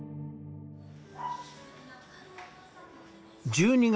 １２月。